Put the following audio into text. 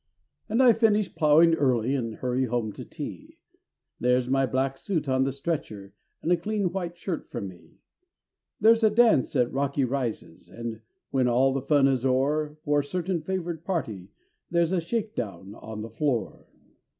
And I finish ploughing early, And I hurry home to tea There's my black suit on the stretcher, And a clean white shirt for me; There's a dance at Rocky Rises, And, when all the fun is o'er, For a certain favoured party There's a shake down on the floor.